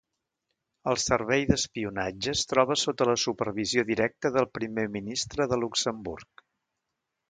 El servei d'espionatge es troba sota la supervisió directa del Primer Ministre de Luxemburg.